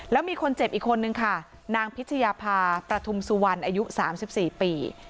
แล้วมีคนเจ็บอีกคนนึงค่ะนางพิชยาภาประทุมสุวรรณอายุ๓๔ปี